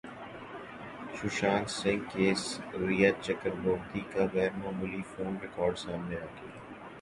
Sushant Singh case Rhea Chakraborty کا غیر معمولی فون ریکارڈ سامنے گیا